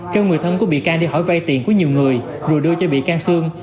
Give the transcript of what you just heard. kêu người thân của bị can đi hỏi vay tiền của nhiều người rồi đưa cho bị can sương